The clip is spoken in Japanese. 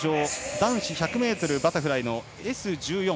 男子１００ｍバタフライＳ１４